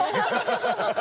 ハハハハ！